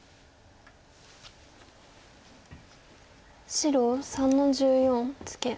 白３の十四ツケ。